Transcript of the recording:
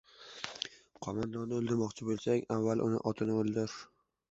• Qo‘mondonni o‘ldirmoqchi bo‘lsang, avvalo uning otini o‘ldir.